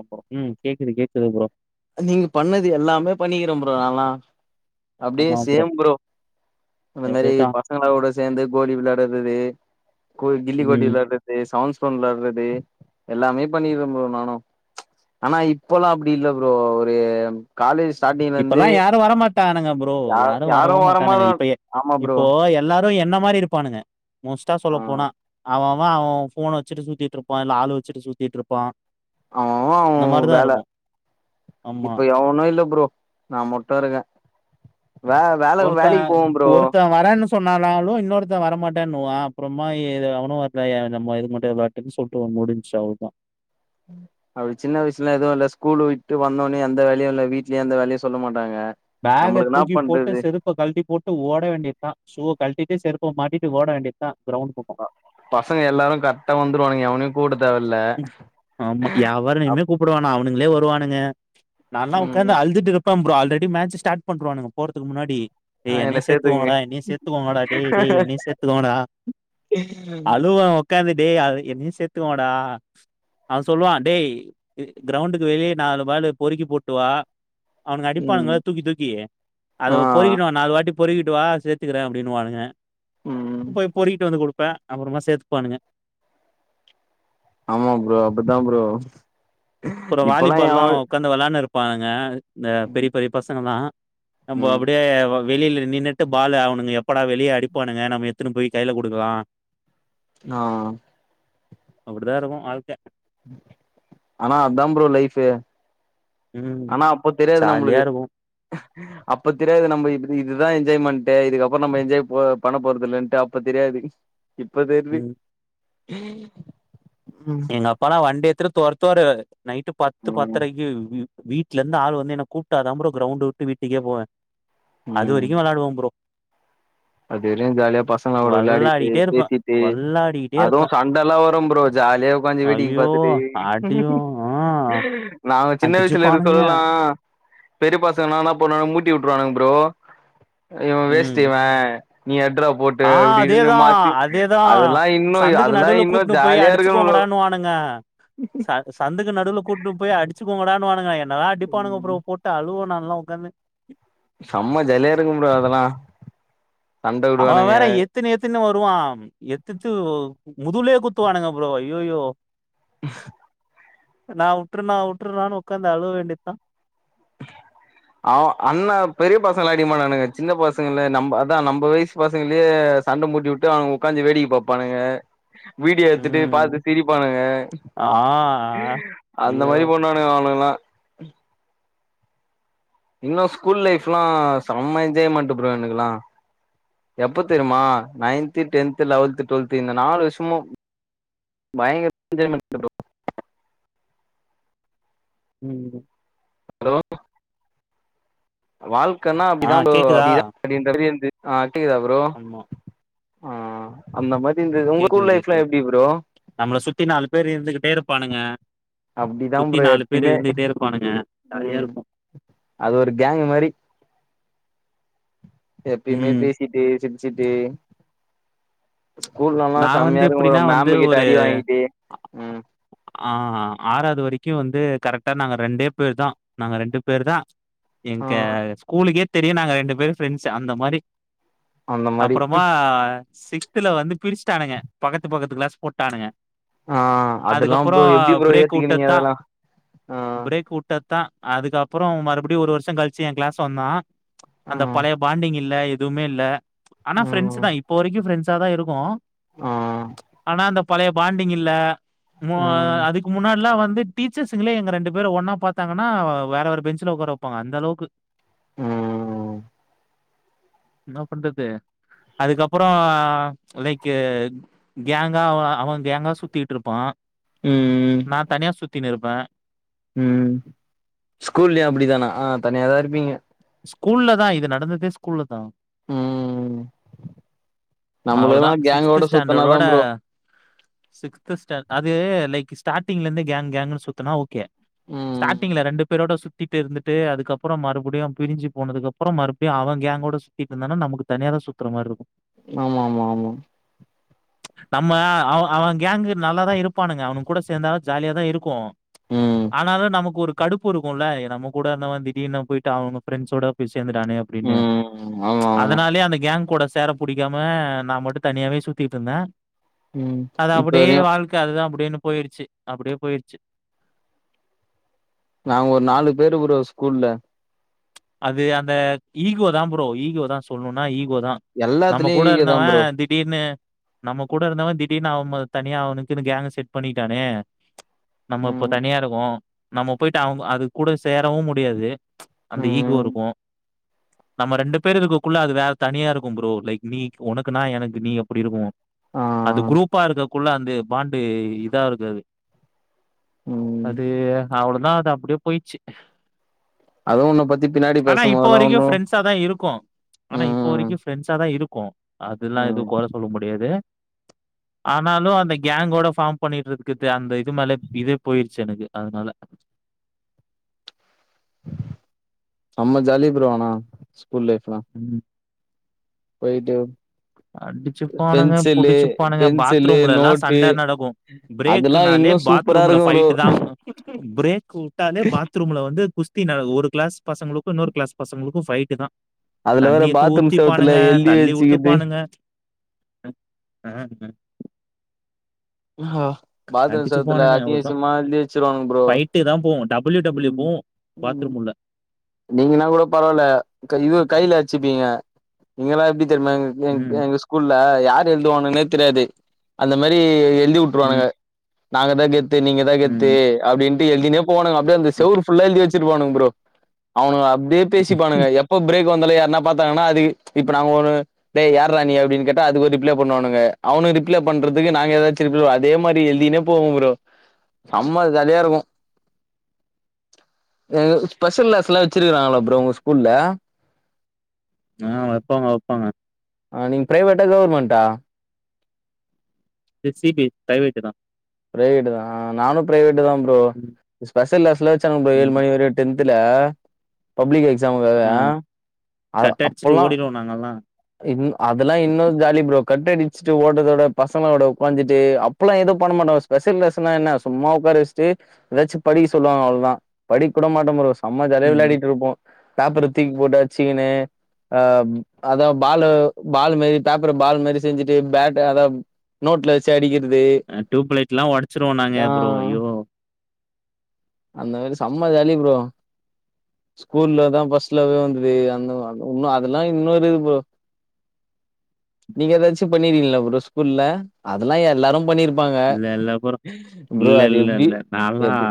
அப்றோ ம் கேக்குது கேக்குது ப்ரோ நீங்க பண்ணது எல்லாமே பண்ணிக்கிறே ப்ரோ நாள்ளா அப்படியே சேம் ப்ரோ இந்த மாரி அதேதா பசங்களாட சேந்து கோழி விள்ளாடடுறது கோ கில்லி கோடி ம் விளடுறது சவுண்ட்ஸ் போன் வெள்ளாரது எல்லாமே பண்ணி இருக்கோ ப்ரோ நானு ஆனா இப்பல்லா அப்டி இல்ல ப்ரோ ஒரு காலேஜ் ஸ்டார்டிங்ல இருந்து இப்பல்லா யாரு வரமாட்டானுங்க ப்ரோ யா யாரு வரவு மாட்டானுங்க வரமாட் இப்ப ஆமா ப்ரோ இப்போ எல்லா என்ன மாரி இருப்பானுங்க மோஸ்ட்டா சொல்ல ஆ போனா அவ அவ போனை வச்சுட்டு சுத்திட்ருப்பா இல்ல ஆள் வச்சுட்டு சுத்திட்ருப்பா அவ அவ இந்த அவ்அவ மாரிதா வேலை இருக்கு ஆமா இப்ப எவனு இல்ல ப்ரோ நா மட்டு இருக்கே வே வேல வேலைக்கு போவே ப்ரோ சொன்னாலாலு இன்னொருத்த வரமாட்டேன்னுவா அப்புறமா அவனும்ல நம் எது மட்டும்ன்னு சொல்லிட்டு முடிஞ்சு அவ்ளோதா அப்படி சின்ன வயசுலா எதுவு இல்ல ஸ்கூல் விட்டு வந்தோன்னே எந்த வேலையு இல்ல வீட்லயே அந்த வேலையு சொல்ல மாட் பேகை தூக்கி போட்டு செருப்ப கழட்டி போட்டு ஓட வேண்டியதுதா சூ கழட்டிட்டு செருப் பு மாட்டிட்டு ஓட வேண்டியது தா பசங்க எல்லாரு கரெக்டா வந்துருவானுங்க எவனையு கூப்ட தேவல்ல ஆமா யவரயுமே கூப்படவேனா அவனுங்களே வருவானுங்க நான்ல்லா உக்காந்து ம் அழுதுட்ருப்பே ப்ரோ ஆல்ரெடி மேட்ச் ஸ்டார்ட் பண்றுவாங்க போறதுக்கு முன்னாடி ஆ டேய் என்ன என்னயு சேத்துக்குங்க சேத்துக்கோங்கடா என்னயு சேத்துக்கோங்கடா டேய் டேய் என்னையு சேத்துக்கோங்கடா அழுவ உக்காந்து டேய் என்னயு சேத்துக்கோங்கா டா அவ சொல்லுவா டேய் கிரௌண்டுக்கு வெளிய நாலு பாலு பொறுக்கி போட்டுவா அவனுக்கு அடிப்பானங்க ம் தூக்கி தூக்கி அத ஆ பொறிக்கணு நாலு வாட்டி பொறிகிட்டு வா சேத்துக்கறே அப்படின்னு வானுங்க ம் போய் பொறிகிட்டு வந்து குடு ப்பே அப்பறமா சேத்துக்குவானுங்க ஆமா ப்ரோ அப்பித்தா ப்ரோ அப்றோ இப்பல்லா எவ வாலிபால்லா உக்காந்து விளாண்ருப்பாங்க இந்த பெரிய பெரிய பசங்கலா நம்ப ம் அப்படியே வெளியில நின்ட்டு பாலு அவனுங்க எப்படா வெளியே அடிப்பானுங்க நம்ம எத்தன்னு போய் கையில குடுக்கலா ஆ அப்படித்தா இருக்கு வாழ்கை ஆனா அத்தா ப்ரோ லைஃபு ம் ஆனா அப்போ தெரியாது ஜாலியா நம்மளுக்கு இருக்கு அப்ப தெரியாது நம்ம இப் இதுதா என்ஜாய்மண்டு இதுக்கப்புற நம்ம என்ஜாய் போ பண்ண போறதுல்லன்ட்டு அப்ப தெரியாது பிடி இப்ப தெர்து ம் எங்க அப்பல்லா வண்டி எடுத்துட்டு தொரத்துவாரு நைட்டு பத்து ம் பத்தரைக்கு பி வீட்லந்து ஆள் வந்து என்ன கூப்ட்டாதா ப்ரோ கிரௌண்ட்ட வுட்டு வீட்டுக்கே போவே அது வரிக்கு வெளாடுவோ ப்ரோ அதுவரையு ஜாலியா பசங்களா கூட விளையாடிட்டு வெள்ளாடிட்டே இருப்பே பேசிட்டு வெள்ளாடிட்டே அதுவு இருப்பே சண்டலா வரும் ப்ரோ ஜாலியா உக்காந்து வேடிக்க ஐயோ பாத்துட்டு அடியு ஆ நாங்க சின்ன வய்சுல இருக்க அடிச்சுப்பானுங்க சொல்லா பெரிய பசங்கனா என்னாப் பண்ணுவாங்க மூட்டி வுட்ருவானுங்க ப்ரோ இவ ம் வேஸ்டு இவ நீயட் ட்ரா போட்டு ஆ இப்டினு அதேதா மாத்தி அதேதா அதெலா இன்னு சந்துக்கு அதெலா இன்னு ஜாலியாருக்கு ப்ரோ ங்க ச சந்துக் கு நடுவுல கூட்டுனுப் போய் அடிச்சுகோங்கடான்னுவாங்க என்னலா அடிப்பானுங்க ப்ரோ போட்டு அழுவ நாலா உக்காந்து செம்ம ஜாலியாருக்கு ப்ரோ அதெலா அவ வேற எத்துனு எத்துனு வ ருவா எத்துத்து முதுவுலே குத்துவானுங்க ப்ரோ ஐயையோ நா வுட்ருனா வுட்ருனானு உக்காந்து அழுவ வேண்டித்தா அவ அண்ண பெரிய பசங்கள அடிகமாட்டானுங்க சின்ன பசங்கள நம்ம அதா நம்ப வய்ஸ் பசங்களியே சண்ட மூட்டி வுட்டு அவுனுங்க உக்காந்து வேடிக்க பாப்பானுங்க வீடியோ எத்துட்டு ம் பாத்து சிரிப்பானுங்க ஆ அந்த ஐயோ மாரி பண்ணுவானுங்க அவனுங்லா இன்னு ஸ்கூல் லைஃப்லா செம்ம என்ஜாய்மென்ட்டு ப்ரோ எனக்குலா எப்பத் தெரியுமா நைன்த்து டென்த்து லெவல்து டுவல்த்து இந்த நாலு வருஷமு பயங்கர என்ஜாய்மென்ட்டு ப்ரோ ம் ம் ஹலோ வாழ்க்கன்னா ஆ அப்டிதா ப்ரோ கேக்குதா அப்டிதா அப்டின்ற மேரி வந்து ஆ கேக்குதா ப்ரோ ஆமா ஆ அந்த மாரி இருந்தது உங்க கேக்குது ஸ்கூல் லைஃப்லா கேக்குது எப்டி ப்ரோ நம்மள சுத்தி நாலு பேரு இருந்துகிட்டே இருப்பானுங்க அப்டிதா சுத்தி ப்ரோ நாலு பேர் எப்பயுமே இருந்துகிட்டே இருப்பானுங்க ம் ஜாலியாருக்கு அது ஒரு கேங்க்கு மாரி எப்பியுமே ம் பேசிட்டே சிரிச்சிட்டே ஸ்கூல்லலா நா வந்து செம்மையாருக்கு ப்ரோ எப்டின்னா வந்து மேம்மு ஒரு கிட்ட அடி வாங்கிட்டு உம் ஆ ஆறாது வரிக்கு வந் து கரெக்டா நாங்க ரெண்டேப் பேர்தா நாங்க ரெண்டுப் பேர்தா ஆ எங்க ஸ்கூலுகேத் தெரியு நாங்க ரெண்டு பேரு ஃப்ரெண்ட்ஸ் அந்த மாரி அந்த மாரி அப்றமா சிக்ஸ்த்துல வந்து பிரிஸ்ட்டானுங்க பக்கத்து பக்கத்து கிளாஸ் போட்டானுங்க ஆ அதெல்லா அதுக்கப்புற ப்ரோ எப்டி ப்ரோ பிரேக் ஏத்துக்கினீங்க வுட்டத்தா அதெல்லா ஆ பிரேக் வுட்டத் தா அதுக்கப்புற மறுபடியு ஒரு வருஷ கழிச்சு ஏ கிளாஸ் வந்தா ஆ அந்த பழைய பாண்டிங் இல்லத் எதுமே இல்ல ஆனா ம் ஃபிரண்ட்ஸ்தா இப்போ வரைக்கு ஃபிரெண்ட்ஸ்சாதா இருக்கோ ஆ ஆனா அந்தப் பழைய பாண்டிங் இல்ல மு ம் அதுக்கு முன்னாடிலா வந் து டீச்சர்ஸுங்ளே எங்க ரெண்டு பேரு ஒன்னா பாத்தாங்கனா வேற வேற பெஞ்சுல உக்கார வப்பாங்க அந்தளவுக்கு ம் என்னாப் பண்றது அதுக்கப்புற லைக் கேஃக் கேங்கா அவ அவ கேங்கா சுத்திட்ருப்பா ம் நா தனியா சுத் த்தினு இருப்பே ம் ஸ்கூல்லியு அப்டிதானா தனியாதா இருப்பீங்க ஸ்கூல்லதா இது நடந்ததே ஸ்கூல்லதா உம் அவ்ளோதா நம்புளுகுலா கேங்கோட சுத்தனாதா ப்ரோ சிக்ஸ்து ஸ்டேண் அது லைக் ஸ்டார்டிங்லந்து கேங் கேங்குனு சுத்தனா ஓகே ஸ்டாட்டிங்ல ம் ரெண்டு பேரோட சுத் த்திட்டு இருந்துட்டு அதுக்கப்புற மறுபடியு பிரிஞ்சு போனதுக்கப்பற மறுபடியு அவ கேங்கோட சுத்திட்ருந்தானா நமக்கு தனியாதா சுத்தற மார்ருக்கு ஆமாமா ஆமா நம்ம அவ அவங்கேங்கு நல்லாதா இருப்பானுங்க அவனுக கூட சேந்தா ஜாலியாதா இருக்கு ம் ஆனாலு நமக்கு ஒரு கடுப்பு இருக்குல்ல நம்ம கூட இருந்தவ திடீர்னு போயிட்டு அவங்க ஃப்ரெண்ட்ஸோட போய் சேந்துட்டானே அப்டின்னு ம் ஆமா ஆமா அதனாலயே அந்த கேங் கூட சேர புடிக்காம நா மட்டு தனியாவே சுத்திட்ருந்தே ம் அது இப்ப அப்டியே வரையு வாழ்க்க அதுதா அப்டினு போயிருச்சு அப்டியே போயிருச்சு நாங்க ஒரு நாலு பேரு ப்ரோ ஸ்கூல்ல அது அந்த ஈகோ தா ப்ரோ ஈகோதா சொல்ணணுனா ஈ கோதா நம்ம எல்லாத்துலயு கூட ஈகோ தா இருந்தவ ப்ரோ திடீர்னு நம்ம கூட இருந்தவ திடீர்னு அவ ம தனியா அவுனுக்குனு கேங்க செட் பண்ணிட்டானே நம்ம இப்ப ம் தனியா இருக்கோ நம்ம போயிட்டு அவுங்க அது கூட சேரவு முடியாது அந்த ஈகோ ம் இருக்கு நம்ம ரெண்டு பேர் இருக்கக்குள்ள அது வேற தனியா இருக்கு ப்ரோ லைக் மீக் உனக்கு நா எனக்கு நீ அப்டி இருக்கு ஆ அது குரூப்பா இருக்கக்குள்ள அது பாண்டு இதா இருக்காது ம் அது அவளதா அது அப்டியே போயிச்சு அதுவு உன்ன பத்தி பின்னாடி ஆனா இப்ப பேசும்போதெல்லா வரைக்கு ஒன்னு ஃப்ரெண்ட்ஸா தா இருக்கோ ஆனா இப்ப ம் வரைக்கு ஃப்ரெண்ட்ஸா தா இருக்கோ அதுல்லா எது ம் கொற சொல்ல முடியாது ஆனாலு அந்த கேங்கோட ஃபார்ம் பண்ணிட்ருக்கது அந்த இது மேல இதே போயிருச்சு எனக்கு அதுனால [inaudible] செம்ம ஜாலி ப்ரோ ஆனா ஸ்கூல் லைஃப்லா ம். ரைட்டு அடிச்சுபானுக புடிச்சுபானுக பென்சிலு பாத்ரூம்லெல்லா நோட்டு சண்ட நடக்கு அதெல்லா பிரேக்குனா லே இன்னு சூப்பரா பாத்ரூம்ல இருக்கு ப்ரோ ஃபைட்டு தா ப்ரேக் வுட்டாலே பாத்ரூம்ல வந்து குஸ் தி ந ஒரு கிளாஸ் பசங்களுக்கு இன்னொரு கிளாஸ் பசங்களுக்கு ஃபைட்டு தா அதுல வேற தண்ணி எத்து பாத்ரூம் செவுத்துல ஊத்திப்பானுங்க எழுதி தள்ளி வச்சுக்கிட்டு உட்டுபானுங்க ம் ம் ஹ ஆஹா பாத்ரூம் அடிச்சு செவுத்துல பானுங்க அசிங்க அவ்ளுதா அசிங்கமா எழுதி வச்சிருவானுங்க ப்ரோ ஃபைட்டு தா போவூ டபள்யூ டபிள்யூ ம் போவு ம் பாத்ரூம் உள்ள நீங்கன்னா கோட பரவால இது கைல அச்சுபீங்க இங்கல்லா எப்டி தெரிமா எங் எங் ம் எங்கு ஸ்கூல்ல யார் எழுதுவானுகனே தெரியாது அந்த மாரி எழுதி உட்ருவானுக ம் நாங்க தா கெத்து நீங்க தா கெத்து ம் அப்டின்ட்டு எழுதினே போவானுக அப்டியே அந்த ம் செவுரு ஃபுல்லா எழுதி வெச்சிருப்பானுக ப்ரோ அவுனுக அப்டியே ம் பேசிப்பானுக எப்ப பிரேக் லே யார்னா பாத்தாங்கனா அது இப்ப நாங்க ஒரு டே யார்றா நீ அப்டின் கேட்டா அதுக்கு ரிப்ளை பண்ணுவானுக அவனு க ரிப்ளை பண்றதுக்கு நாங்க எதாச்சு ரிப் அதே மாரி எழுதினே போவோ ப்ரோ செம்ம ஜாலியா இருக்கு ம் ஸ்பெஷல் க்ளாஸ் லா வச்சிருக்றாங்ளா ப்ரோ உங்க ஸ்கூல்ல ஆ வெப்பாங்க வெப்பாங்க ஆ நீங்க ப்ரைவேட்டா கவர்மெண்ட்டா ச சி பி ப்ரைவேட்டுதா ப்ரைவேட்டுதா ஆ நானு பிரைவேட்டுதா ப்ரோ ம் ஸ்பெஷல் க்ளாஸ்லா வெச்சாங்க ப்ரோ ஏழு ம் மணி வரையு டென் த்ல பப்ளிக் எக்ஸாம்காக ஆ அ கட் அடிச்சுட்டு அப்பல்லா ஓடிடுவோ நாங்கல்லா இன் அதெல்லா இன்னு ஜாலி ப்ரோ கட்டடிச்சுட்டு ஓடறதோட பசங்களோட உக்காந்துட்டு அப்பலா எதுவு பண்ண மாட்டோ ஸ்பஷல் க்ளாஸ்னா என்ன சும்மா உக்கார வச்ட்டு எதாச்சு படிக்க சொல்வாங்க அவ்ளதா படிக்க கூட மாட்ட ப்ரோ செம்ம ஜாலியா ம் விளையாடிட்ருப்போ பேப்பர தூக்கி போட்டு அச்சிகனு அ அதா பாலு பால் மாரி பேப்பர பால் மாரி செஞ்சுட்டு பேட் அத நோட்ல வெச்சு அடிக்கிற அ டியூப்லைட்லா ஒடச்சிருவோ நாங்க ஆ ப்ரோ ஐயோ அந்த மாரி செம்ம ஜாலி ப்ரோ ஸ்கூல்லதா ஃபஸ்ட் லவ்வே வந்துது அந்த இ அதெல்லா இன்னொரு இது ப்ரோ நீங்க எதாச்சு பண்ணிருக்கிங்ளா ப்ரோ ஸ்கூல்ல அதெலா எல்லாரு பண்ணிருப் ப்பாங்க இல்ல இல்ல ப்ரோ ப்ரோ இல்ல அது இல்ல எப்டி இல்ல நால்லா எது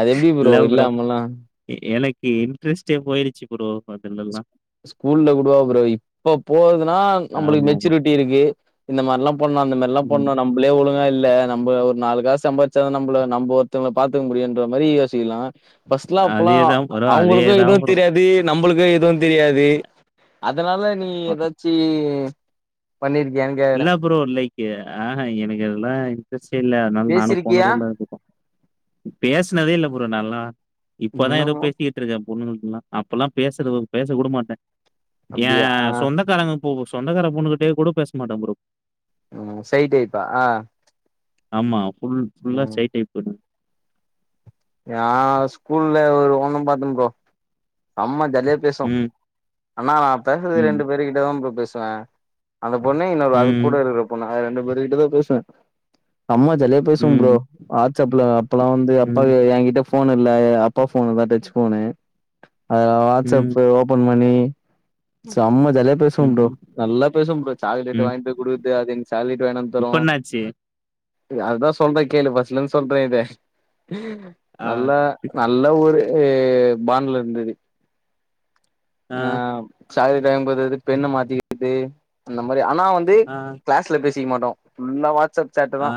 அது எப்டி இல்ல ப்ரோ இல்லாமல்லா எ எனக்கு இன்ட்ரெஸ்ட்டே போயிரிச்சி ப்ரோ அதுலல்லா ஸ்கூல்ல கூடவா ப்ரோ இப்பப் போறதுன்னா நம்பளுக்கு ஆமா ஆமா மெச்சூரிட்டி இருக்கு இந்த மாரில்லா பண் அந்த மேரில்லா ம் பண்ணோ நம்ப்ளே ஒழுங் கா இல்ல நம்ப ஒரு நாலு காஸ் சம்பாரிச்சா தா நம்பள நம்ப ஒருத்தவங்களப் பாத்துக்க முடியுன்ற மாரி யோசிக்கிலா ஃபஸ்ட்லா அப்பல்லா அதேதா ப்ரோ அவுங்களுக்கு அதேதா எதுவுந் ப்ரோ தெரியாது நம்பளுக்கு எதுவுந் தெரியாது அதனால நீ ஏதாச்சி பண்ணிருக்கியான்னு கேக்குறே இல்ல ப்ரோ லைக்கு ஆ ஹ எனக்கு அதெல்லா இன்ட்ரஸ்ட்டே இல்ல அதனால நானு பேசிருக்கியா போனது இல்ல [inaudible] பேஸ்னதே இல்ல ப்ரோ நால்லா இப்பதா ஏதோ இன்னமு பேசிக்கிட்ருக்க பொண்ணுங்கள்ட்டல்லா அப்பல்லா பேசுறது பேசக் கூட மாட்ட ஏ அப்டியா ஆ சொந்தக்காரங்க பொ சொந்தக்கார பொண்ணுகிட்டயே கூடொ பேசமாட்டம் ப்ரோ ம் சை டைப்பா ஆ ஆமா ஃபுல் ஃபுல்லா ம் ஷை டைப்புதா நா ஸ்கூல்ல ஒரு ஒண்ணும் பாத்தம் ப்ரோ அம்மா ஜாலியா பேசுவோ ம் ஆனா நா பேசுறது ம் ரெண்டு பேரு கிட்டதா ப்ரோ பேசுவ அந்த பொண்ணு இன்னொரு அதுக் கூட ம். இருக்குற பொண்ணு அது ரெண்டு பேரு கிட்ட தா பேசுவ செம்மா ஜாலியா பேசுவோம் ப்ரோ ம். வாட்ஸப்புல அப்பல்லா வந்து அப்பா ம். எ ஏங்கிட்ட ஃபோன் இல்ல ஏ அப்பா ஃபோனு தா டச் ஃபோனு அதுல ம். வாட்ஸ்சப்பு ஓப்பன் பண்ணி சம்ம ஜாலியா பேசுவோம் ப்ரோ ம். நல்லா பேசுவோம் ப்ரோ சாக்லேட்டு ம். வாய்ன்ட்டு குடுத்து அது எனக்கு சாக்லேட் வாய்ணாந்து தரு எ அதா சொல்ற கேளு ஃபஸ்லேந்து சொல்ற இது ஆ. நல்லா நல்ல ஒரு ஏ பான்ட்ல இருந்துது ஆ சாக்லேட் வாய்ம் போறது பெண்ண மாத்திக்கெற்து அந்த மாரி ஆனா வந்து ஆ. க்ளாஸ்ல பேசிக்க மாட்டோ ஃபுல்லா வாட்ஸ்ஸப் சாட்டு தா ஆ.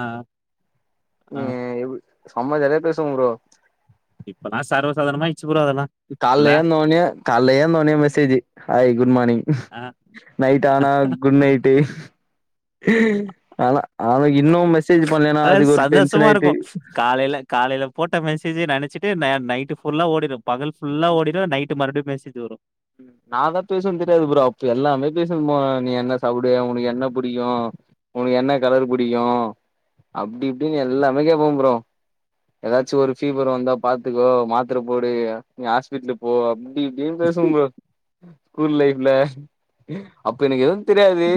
ஆ. ஏ செம்ம ஜாலியா பேசுவோம் ப்ரோ இப்பல்லா சர்வ சாதாரணமாயிருச்சி ப்ரோ அதெல்லா கால்ல ஏந்த ஒன்னே கால்ல ஏந்த ஒன்னே மெசேஜி ஹாய் குட் மானிங் ஆ. நைட் ஆ. ஆனா குட் நைட்டு ஆனா ஆ இன்னு மெசேஜ் பண்லேன்னா அதாவது அதுக்கு ஒரு டென்ஷன் சந்தோஷமா ஆயிட்டு ட மெசேஜே நெனச்சிட்டே ந நைட்டு ஃபுல்லா ஓடிரு பகல் ஃபுல்லா ஓடிரு நைட்டு மறுப்டியு மெசேஜு வரு நா தா பேசுவன் தெரியாது ப்ரோ அப்ப எல்லாமே பேசுவம் ப்ரோ நீ என்ன சாப்புடுவ ஒனக்கு என்ன புடிக்கு ஒனக்கு என்ன கலரு புடிக்கு அப்டி இப்டின்னு எல்லாமே கேப்பம் ப்ரோ ஏதாச்சு ஒரு ஃபீவர் வந்தா பாத்துக்கோ மாத்துர போடு நீ ஹாஸ்பிட்லுக் போ அப் டி இப்டின் பேசுவம் ப்ரோ ஸ்கூல் லைஃப்ல அப்ப எனக்கு எதுவுந் தெரியாது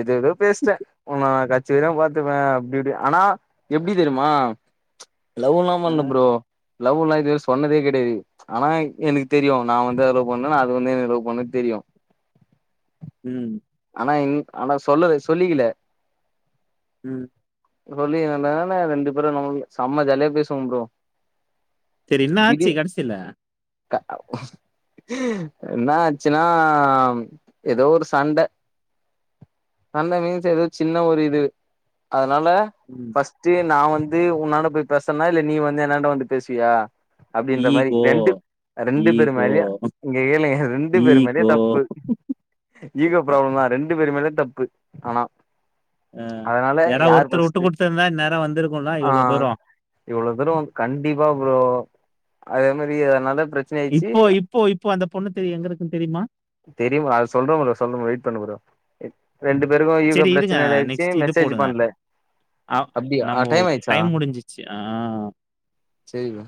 ஏதே ஏதோ பேஸ்ட்ட ஒன்ன கட்ஸி வர பாத்துப்ப அப்டி இப்டி ஆனா எப்டி தெரிமா லௌலா ஆ. பண்ல ப்ரோ லவ்வுல்லா இதுவரையு சொன்னதே கெடையாது ஆனா எனக்கு தெரியு நா வந்து அத லவ் பண்ண அது வந்து என்ன லவ் பண்ணு தெரியு ம் ஆனா என் ஆனா சொல்லல சொல்லிக்கில ம் சொல்லிக்கெல நானா ரெண்டு பேரு [unintelligible] நம்ம செம்ம ஜாலியா பேசுவோம் ப்ரோ சரி என்ன இது ஆச்சு கடைசில? என்னாச்சுன்னா ஏதோ ஒரு சண்ட சண்ட மீன்ஸ் ஏதோ சின்ன ஒரு இது அ த்னால ம். ஃபஸ்ட்டு நா வந்து உன்னாண்ட போய் பேசற்னா இல்ல நீ வந்து என்னாண்ட வந்து பேசுவியா அப்டின்ற மாரி ஈகோ. ரெண்டுப் ரெண்டு பேரு ஈகோ. மேலயு இங்க கேளுங்க ரெண்டு பேரு மேலயு ஈகோ. தப்பு ஈகோ ப்ராப்ளம் மா ரெண்டு பேரு மேலயு தப்பு ஆனா ஆஹ் அதனால யாராது யார் ஒருத்தர் உட்டு ஃபஸ்ட்டு குடுத்துருந்தா இன்நேரோ வந்திருக்கோல ஆ இவ்ளோ தூரோ இவ்ளோ துரோ கண்டிபா ப்ரோ அதே மாரி அதனாலப் பிரச்சன ஆயிர்ச்சி இப்போ இப்போ இப்போ அந்த பொண்ணு தெரி எங்க இருக்குன்னு தெரியுமா? தெரியுமா அத சொல்ற ப்ரோ சொல்ற ப்ரோ வெயிட் பண்ணு ப்ரோ ரெண்டு பேருகோ ஈகோ சரி பிரச்சன இதாயிடுச்சு மெசேஜ் பண்ல ஆஹ் நம்மோ டைம் முடிஞ்சிச்சு ஆஹ் செரி ப்ரோ